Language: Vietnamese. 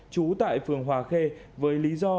trú tại phường hòa khê với lý do